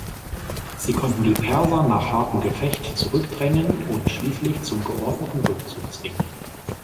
Sie konnten die Perser nach hartem Gefecht zurückdrängen und schließlich zum geordneten Rückzug zwingen.